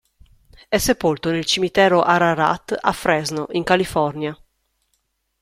È sepolto nel cimitero Ararat a Fresno in California.